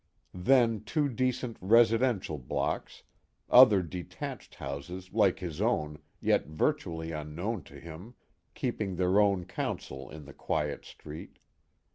Then two decent residential blocks, other detached houses like his own yet virtually unknown to him, keeping their own counsel in the quiet street.